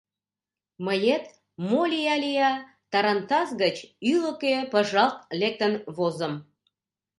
Мыет, мо лия-лия... тарантас гыч ӱлыкӧ пыжалт лектын возым.